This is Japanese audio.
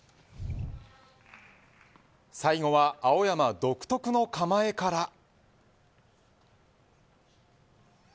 最後は青山独特の構えから。